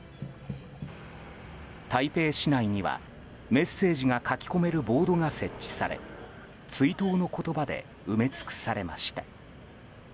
台北市内には、メッセージが書き込めるボードが設置され追悼の言葉で埋め尽くされました。